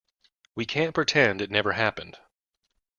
We can't pretend it never happened.